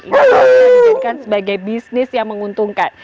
ini bisa dijadikan sebagai bisnis yang menguntungkan